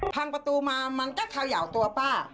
พังประตูมามันก็เท่าเหยาตัวป้า